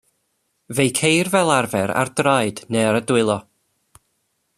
Fe'i ceir fel arfer ar draed neu ar y dwylo.